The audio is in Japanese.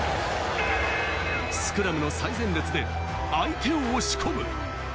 スクラムの最前列で相手を押し込む。